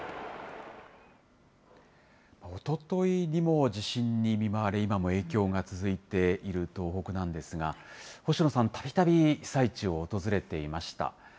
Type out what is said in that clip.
おとといにも地震に見舞われ、今も影響が続いている東北なんですが、星野さん、たびたび被災地を訪れていました。